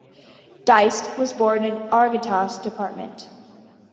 Dieste was born in Artigas department.